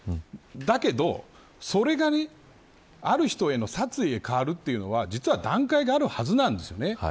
だけど、それがある人への殺意に変わるというのは実は段階があるはずなんですよ。